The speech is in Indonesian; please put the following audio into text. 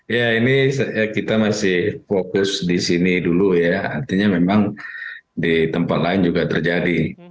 ya ini kita masih fokus di sini dulu ya artinya memang di tempat lain juga terjadi